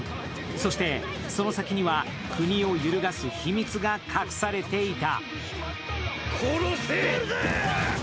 そして、その先には国を揺るがす秘密が隠されていた。